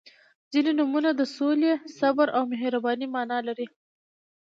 • ځینې نومونه د سولې، صبر او مهربانۍ معنا لري.